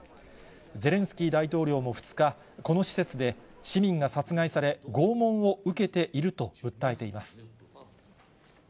ゼレンスキー大統領も２日、この施設で市民が殺害され、拷問を受けていると訴えています。